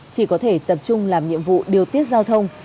chỉ có thể tập trung làm nhiệm vụ điều tiết giao thông